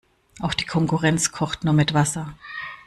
Auch die Konkurrenz kocht nur mit Wasser.